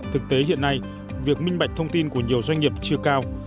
thực tế hiện nay việc minh bạch thông tin của nhiều doanh nghiệp chưa cao